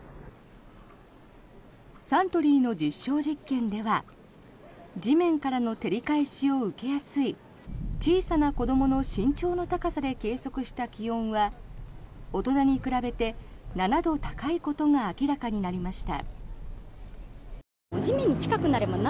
サントリーの実証実験では地面からの照り返しを受けやすい小さな子どもの身長の高さで計測した気温は大人に比べて７度高いことが明らかになりました。